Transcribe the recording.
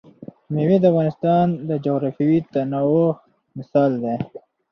مېوې د افغانستان د جغرافیوي تنوع مثال دی.